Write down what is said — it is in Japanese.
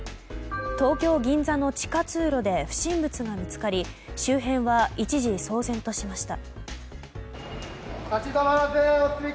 東京・銀座の地下通路で不審物が見つかり周辺は一時騒然としました。